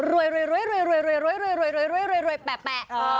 รวยแปะ